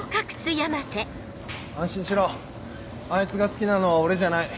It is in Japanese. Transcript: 安心しろあいつが好きなのは俺じゃない。